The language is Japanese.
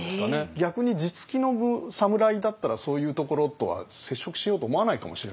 逆に地付きの侍だったらそういうところとは接触しようと思わないかもしれないですよね。